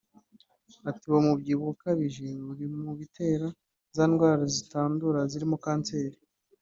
Ati “Uwo mubyibuho ukabije uri mu bitera za ndwara zitandura zirimo kanseri